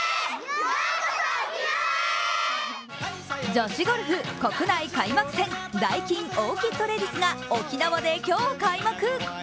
女子ゴルフ国内開幕戦ダイキンオーキッドレディスが沖縄で今日、開幕。